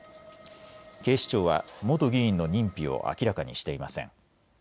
警視庁は元議員の認否を明らかにしていません。